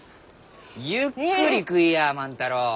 ゆっくり食いや万太郎！